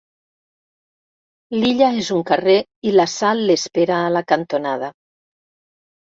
L'illa és un carrer i la Sal l'espera a la cantonada.